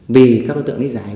vì các đối tượng đi giải